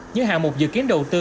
những hạng mục dự kiến đầu tư